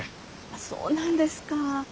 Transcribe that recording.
そうなんですか。